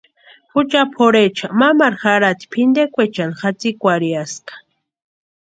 Jucha pʼorhecha mamaru jarhati pʼintekwaechani jatsikwarhiaska.